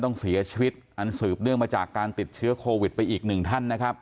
ต้องเสียชีวิตอันสืบเนื่องมาจากการติดเชื้อโควิดไปอีกหนึ่งท่านนะครับ